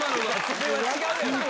それは違うやろ。